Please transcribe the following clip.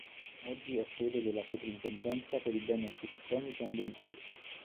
Oggi è sede della Soprintendenza per i Beni Architettonici e Ambientali.